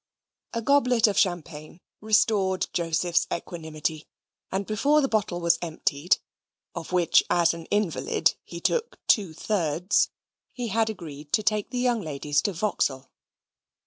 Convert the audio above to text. A goblet of Champagne restored Joseph's equanimity, and before the bottle was emptied, of which as an invalid he took two thirds, he had agreed to take the young ladies to Vauxhall.